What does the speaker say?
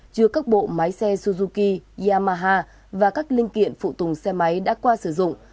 chứa các bộ máy xe suzuki yamaha và các linh kiện phụ tùng xe máy đã qua sử dụng